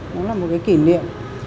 đó là một cái kỷ niệm